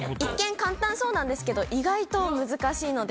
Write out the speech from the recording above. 簡単そうなんですけど意外と難しいので